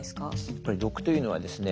やっぱり毒というのはですね